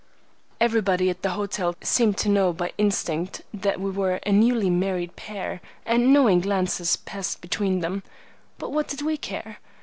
Everybody at the hotels seemed to know by instinct that we were a newly married pair, and knowing glances passed between them. But what did we care?